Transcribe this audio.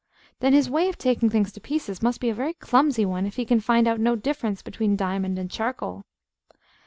Then his way of taking things to pieces must be a very clumsy one, if he can find out no difference between diamond and charcoal.